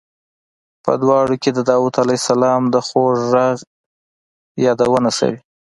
په دواړو کې د داود علیه السلام د خوږ غږ یادونه شوې.